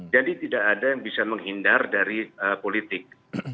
jadi tidak ada yang bisa menghindar dari politik